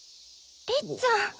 りっちゃん！